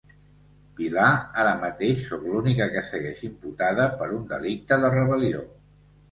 Pilar, ara mateix sóc l’única que segueix imputada per un delicte de rebel·lió.